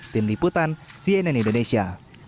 tim liputan cnn indonesia